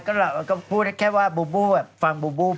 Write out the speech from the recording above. ก็คิดแค่ว่าบูบูลิฟังบูบูบูลิ